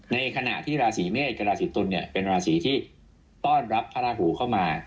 ในขณะที่ราศีเมษกับราศีตุลเนี่ยเป็นราศีที่ต้อนรับพระราหูเข้ามา